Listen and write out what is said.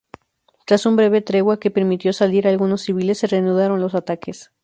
Tras un breve tregua que permitió salir a algunos civiles, se reanudaron los ataques.